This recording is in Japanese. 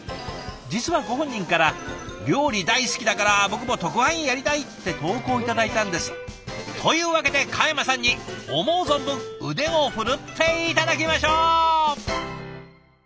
実はご本人から「料理大好きだから僕も特派員やりたい」って投稿を頂いたんです。というわけで嘉山さんに思う存分腕を振るって頂きましょう！